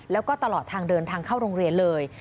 แล้วก็ตลอดทางเดินทางเข้าโรงเรียนเลย